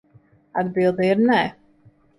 Atbilde ir nē.